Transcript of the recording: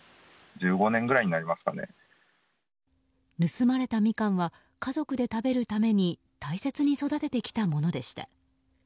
盗まれたミカンは家族で食べるために大切に育ててきたものでした。